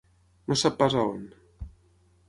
No sap pas on.